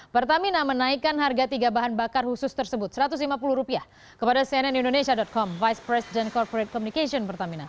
pertamina menaikkan harga tiga bahan bakar khusus tersebut rp satu ratus lima puluh kepada cnn indonesia com vice president corporate communication pertamina